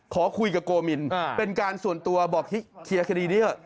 ขอคุยกับโกมินเป็นการส่วนตัวบอกให้เคลียร์คดีนี้เถอะ